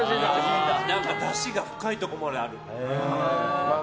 だしが深いところまである。